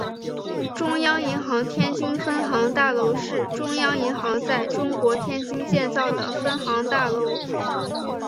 中央银行天津分行大楼是中央银行在中国天津建造的分行大楼。